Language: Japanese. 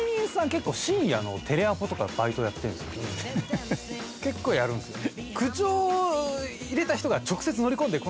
結構深夜のテレアポとかバイトやってんすよ結構やるんですよ